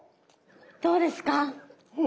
どうですか？